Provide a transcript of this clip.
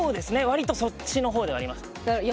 割とそっちの方ではあります。